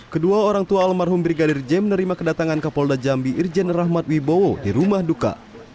kedua orang tua almarhum brigadir j menerima kedatangan kapolda jambi irjen rahmat wibowo di rumah duka